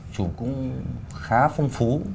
chủ cũng khá phong phú